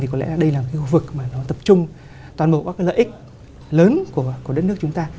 có lẽ đây là khu vực mà nó tập trung toàn bộ các lợi ích lớn của đất nước chúng ta